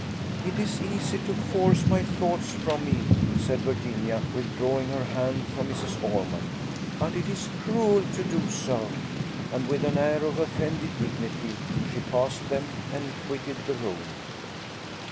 "It is easy to force my thoughts from me," said Virginia, withdrawing her hand from Mrs. Ormond; "but it is cruel to do so." And with an air of offended dignity she passed them, and quitted the room.